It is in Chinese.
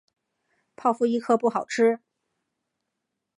泡芙一颗不好吃